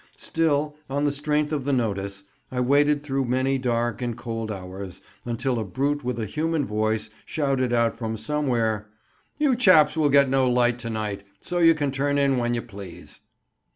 Still, on the strength of the notice, I waited through many dark and cold hours, until a brute with a human voice shouted out from somewhere, "You chaps will get no light to night, so you can turn in when you please."